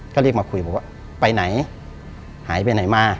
ก็เรียกมาคุยบอกว่าไปไหนหายไปไหนมา